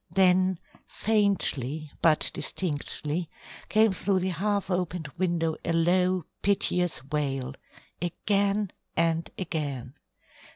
Then faintly, but distinctly, came through the half opened window a low piteous wail again and again.